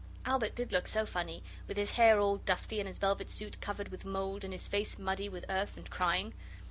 Albert did look so funny, with his hair all dusty and his velvet suit covered with mould and his face muddy with earth and crying.